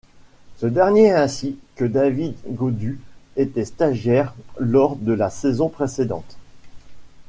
Ce dernier ainsi que David Gaudu étaient stagiaires lors de la saison précédente.